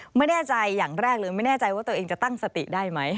ไม่แน่ใจอย่างแรกเลยไม่แน่ใจว่าตัวเองจะตั้งสติได้ไหม